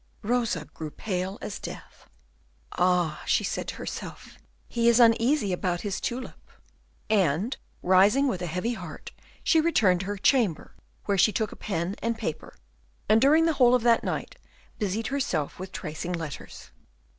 Rosa grew pale as death. "Ah!" she said to herself, "he is uneasy about his tulip." And, rising with a heavy heart, she returned to her chamber, where she took a pen and paper, and during the whole of that night busied herself with tracing letters.